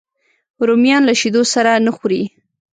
رومیان له شیدو سره نه خوري